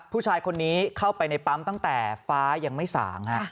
ผู้ชายคนนี้เข้าไปในปั๊มตั้งแต่ฟ้ายังไม่สาง